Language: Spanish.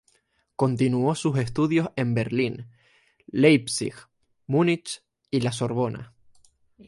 Continuó sus estudios en Berlín, Leipzig, Múnich y La Sorbona.